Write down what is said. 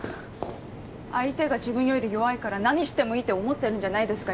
相手が自分より弱いから何してもいいって思ってるんじゃないですか